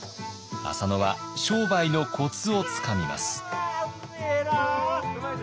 浅野は商売のコツをつかみます。